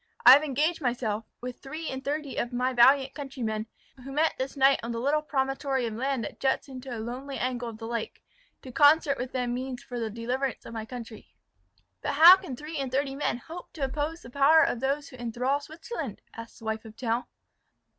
I have engaged myself, with three and thirty of my valiant countrymen, who met this night on the little promontory of land that juts into a lonely angle of the Lake, to concert with them means for the deliverance of my country." "But how can three and thirty men hope to oppose the power of those who enthral Switzerland?" asked the wife of Tell.